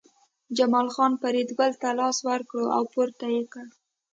جمال خان فریدګل ته لاس ورکړ او پورته یې کړ